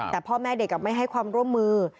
แต่พ่อแม่เด็กไม่ให้ความร่วมมือ